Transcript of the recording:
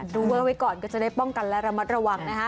ดูเวอร์ไว้ก่อนก็จะได้ป้องกันและระมัดระวังนะฮะ